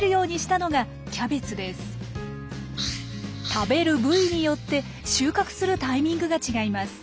食べる部位によって収穫するタイミングが違います。